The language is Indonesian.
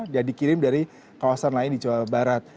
dan dikirim dari kawasan lain di jawa barat